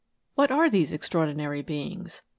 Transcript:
What are these extraordinary beings?